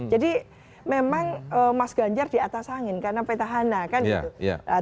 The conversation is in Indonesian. jadi memang mas ganjar di atas angin karena petahana kan gitu